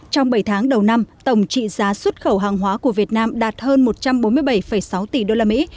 trong bảy tháng đầu năm tổng trị giá xuất khẩu hàng hóa của việt nam đạt hơn một trăm bốn mươi bảy sáu tỷ đô la mỹ